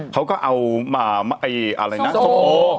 เขาก็เอาอะไรนะส้มโอ